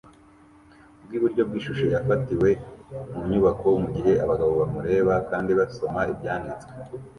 bwiburyo bwishusho yafatiwe mu nyubako mugihe abagabo bamureba kandi basoma ibyanditswe